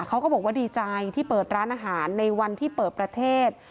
เขาก็บอกว่าดีใจที่เปิดร้านอาหารในวันที่เปิดประเทศ